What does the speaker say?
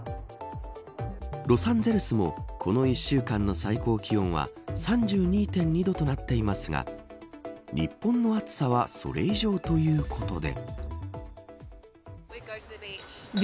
ロサンゼルスもこの１週間の最高気温は３２．２度となっていますが日本の暑さはそれ以上ということで。